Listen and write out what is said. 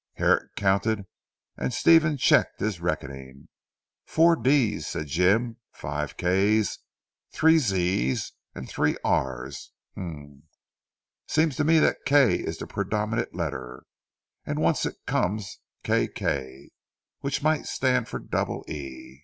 Herrick counted and Stephen checked his reckoning. "Four 'D's,'" said Jim. "Five 'K's.' Three 'Z's:' and Three 'R's.'. Humph! Seems to me that 'K' is the predominating letter, and once it comes 'K.K' which might stand for double 'E.'